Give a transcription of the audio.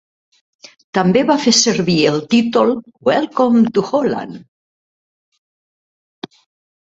També va fer servir el títol "Welcome to Holland".